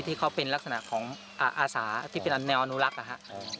ที่เขาเป็นลักษณะของอาสาที่เป็นแนวอนุรักษ์นะฮะ